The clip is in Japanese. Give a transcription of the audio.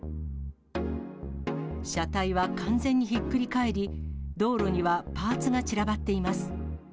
車体は完全にひっくり返り、道路にはパーツが散らばっています。